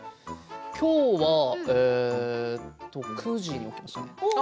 今日は９時に起きましたね。